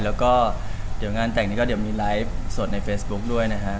แล้วก็เดี๋ยวงานแต่งนี้ก็เดี๋ยวมีไลฟ์สดในเฟซบุ๊กด้วยนะฮะ